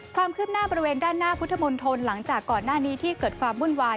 ความคืบหน้าบริเวณด้านหน้าพุทธมนตรหลังจากก่อนหน้านี้ที่เกิดความวุ่นวาย